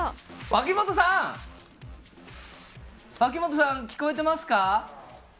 脇本さん、聞こえてますか？